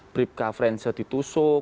bribka frenze ditusuk